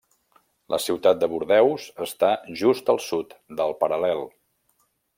La ciutat de Bordeus està just al sud del paral·lel.